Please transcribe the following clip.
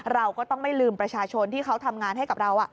เราก็ต้องไม่ลืมประชาชนที่เขาทำงานให้กับเรา